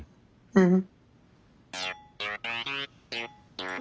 うん。